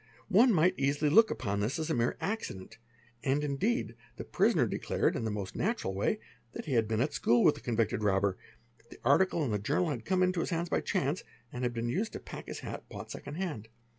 One might easily look upon this as a mere accident, i indeca the prisoner declared, in the most natural way, that he had tat school with the convicted robber, that the article in the journal ) come into his hands by chance, and had been used to pack his hat, ght second hand.